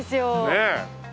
ねえ。